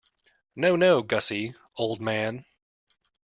No, no, Gussie, old man.